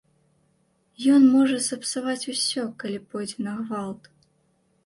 Ён можа сапсаваць усё, калі пойдзе на гвалт.